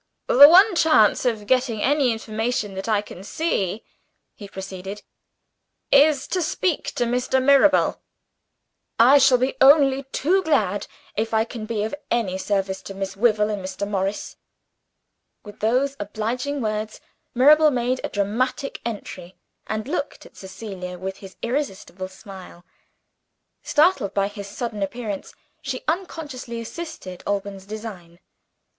"The one chance of getting any information that I can see," he proceeded, "is to speak to Mr. Mirabel." "I shall be only too glad, if I can be of any service to Miss Wyvil and Mr. Morris." With those obliging words, Mirabel made a dramatic entry, and looked at Cecilia with his irresistible smile. Startled by his sudden appearance, she unconsciously assisted Alban's design.